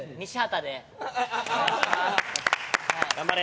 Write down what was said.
頑張れ。